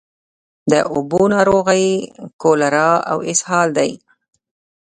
د اوبو ناروغۍ کالرا او اسهال دي.